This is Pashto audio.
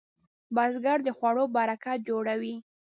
بزګر د خوړو برکت جوړوي